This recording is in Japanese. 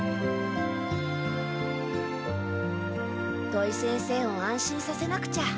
土井先生を安心させなくちゃ。